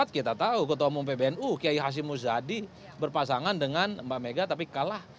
kita tahu ketua umum pbnu kiai hasim muzadi berpasangan dengan mbak mega tapi kalah